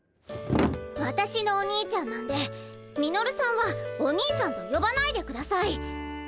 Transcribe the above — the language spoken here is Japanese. わたしのお兄ちゃんなんでミノルさんはお兄さんとよばないでください。